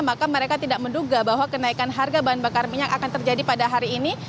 maka mereka tidak menduga bahwa kenaikan harga bahan bakar minyak akan terjadi pada hari ini